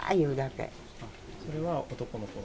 それは男の子？